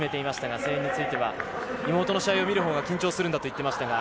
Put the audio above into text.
それについては妹の試合を見る方が緊張するんだと言ってました。